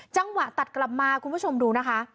จังหวะตัดกลับมาคุณผู้ชมดูนะคะ